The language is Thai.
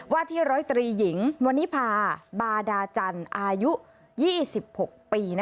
ว่าที่ร้อยตรีหญิงวันนี้พาบาดาจันทร์อายุ๒๖ปี